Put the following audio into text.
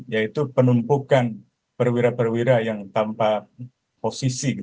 yaitu penumpukan perwira perwira yang tanpa posisi